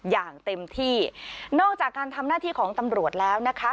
อย่างเต็มที่นอกจากการทำหน้าที่ของตำรวจแล้วนะคะ